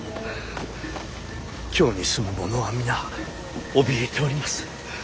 京に住む者は皆おびえております。